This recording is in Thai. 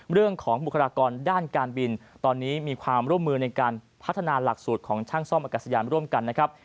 เรื่องของบุคลากรด้านการบินตอนนี้มีความร่วมมือในการพัฒนาหลักสูตรของช่างซ่อมอากาศยานร่วมกันนะครับ